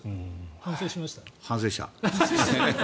反省した。